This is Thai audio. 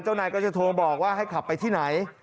นายก็จะโทรบอกว่าให้ขับไปที่ไหน